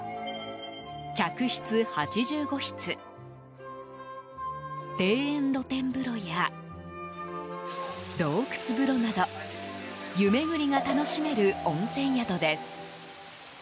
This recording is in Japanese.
客室８５室庭園露天風呂や洞窟風呂など湯巡りが楽しめる温泉宿です。